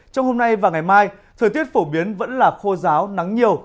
trong hôm nay và ngày mai thời tiết phổ biến vẫn là khô ráo nắng nhiều